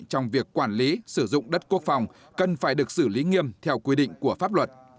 trong việc quản lý sử dụng đất quốc phòng cần phải được xử lý nghiêm theo quy định của pháp luật